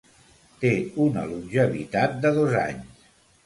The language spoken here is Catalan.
Té una longevitat de dos anys.